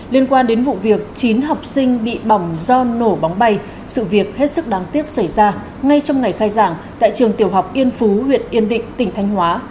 liên quan đến vụ việc chín học sinh bị bỏng do nổ bóng bay sự việc hết sức đáng tiếc xảy ra ngay trong ngày khai giảng tại trường tiểu học yên phú huyện yên định tỉnh thanh hóa